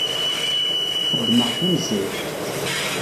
Xeddmeɣ tanezzayt.